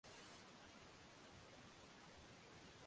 wewe ni wa kujisahau unatakiwa uwe makini sana